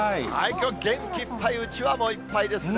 きょう元気いっぱい、うちわもいっぱいですね。